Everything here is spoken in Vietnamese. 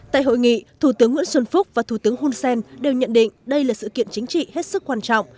tại hội nghị thủ tướng nguyễn xuân phúc và thủ tướng hun sen đều nhận định đây là sự kiện chính trị hết sức quan trọng